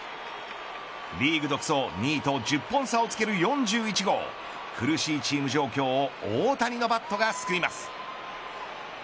リーグ独走２位と１０本差をつける４１号苦しいチーム状況を大谷のバットが救います。